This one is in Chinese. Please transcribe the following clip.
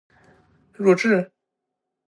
弱智？